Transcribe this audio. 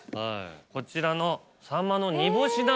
こちらの。